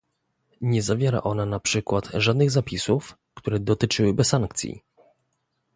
Nie zawiera ona na przykład żadnych zapisów, które dotyczyłyby sankcji